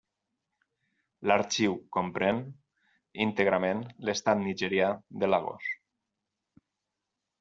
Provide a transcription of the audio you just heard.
L’arxiu comprèn íntegrament l’estat nigerià de Lagos.